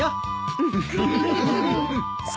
ウフフフ。